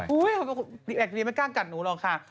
แบคทีเรียไม่กล้ากัดหนูหรอกค่ะ